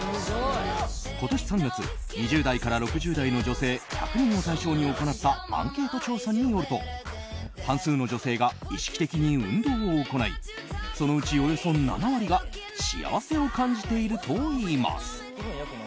今年３月、２０代から６０代の女性１００人を対象に行ったアンケート調査によると半数の女性が意識的に運動を行いそのうち、およそ７割が幸せを感じているといいます。